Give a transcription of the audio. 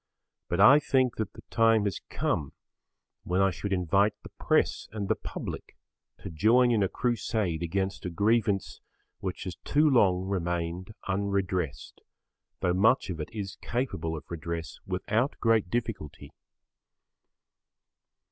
But I think that the time has come when I should invite the press and the public to join in a crusade against a grievance which has too long remained unredressed, though much of it is capable of redress without great difficulty.